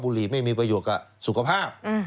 หลีไม่มีประโยชน์กับสุขภาพ